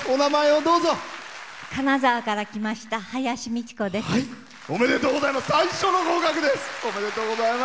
金沢から来ました、はやしです。